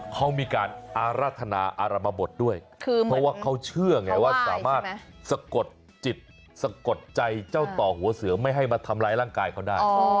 เขามีการอารัฐนาอารมบทด้วยเพราะว่าเขาเชื่อไงว่าสามารถสะกดจิตสะกดใจเจ้าต่อหัวเสือไม่ให้มาทำร้ายร่างกายเขาได้